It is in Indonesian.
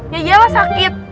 ya iyalah sakit